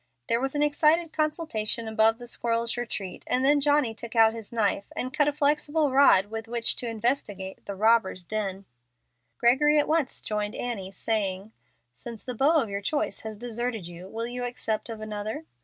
There was an excited consultation above the squirrel's retreat, and then Johnny took out his knife and cut a flexible rod with which to investigate the "robber's den." Gregory at once joined Annie, saying, "Since the beau of your choice has deserted you, will you accept of another?"